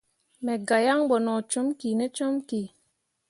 Me gah yan bo no com kine comki.